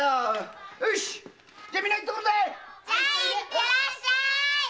ちゃん行ってらっしゃい！